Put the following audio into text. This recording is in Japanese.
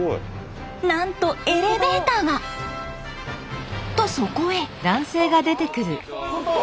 なんとエレベーターが！とそこへ。